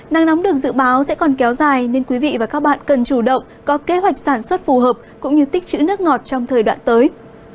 nắng nóng được dự báo sẽ còn kéo dài nên quý vị và các bạn cần chủ động có kế hoạch sản xuất phù hợp cũng như tích chữ nước ngọt trong thời đoạn tới